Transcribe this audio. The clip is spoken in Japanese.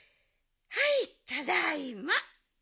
はいただいま。